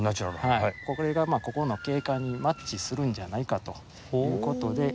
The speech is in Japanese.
これがここの景観にマッチするんじゃないかという事で。